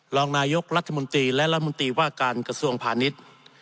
รองนายกรัฐมนตรีและรัฐมนตรีว่าการกระทรวงพาณิชย์